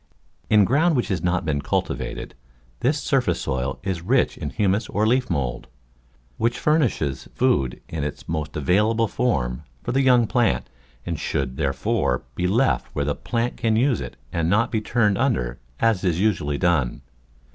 In ground which has not been cultivated this surface soil is rich in humus or leaf mould, which furnishes food in its most available form for the young plant, and should, therefore, be left where the plant can use it and not be turned under as is usually done.